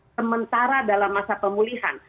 sementara dalam masa pemulihan